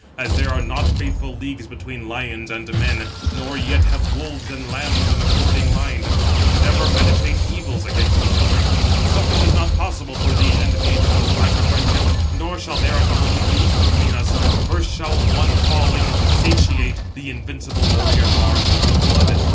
As there are not faithful leagues between lions and men, nor yet have wolves and lambs an according mind, 706 but ever meditate evils against each other; so it is not possible for thee and me to contract a friendship, nor shall there at all be leagues between us,—first shall one, falling, satiate the invincible warrior Mars with his blood.